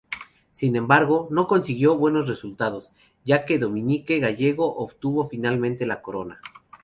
Sin embargo, no consiguió buenos resultados, ya que Dominique Gallego obtuvo finalmente la corona.